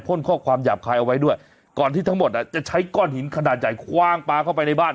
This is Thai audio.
ข้อความหยาบคายเอาไว้ด้วยก่อนที่ทั้งหมดอ่ะจะใช้ก้อนหินขนาดใหญ่คว่างปลาเข้าไปในบ้าน